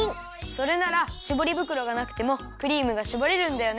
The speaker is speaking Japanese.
それならしぼりぶくろがなくてもクリームがしぼれるんだよね。